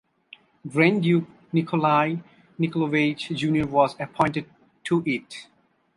Grand Duke Nikolai Nikolaevich Junior was appointed to it.